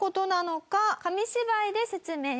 紙芝居で説明します。